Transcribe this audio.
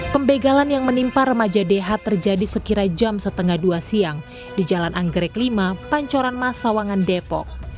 pembegalan yang menimpa remaja dh terjadi sekira jam setengah dua siang di jalan anggrek lima pancoran masawangan depok